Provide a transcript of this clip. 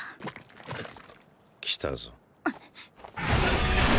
来たぞ。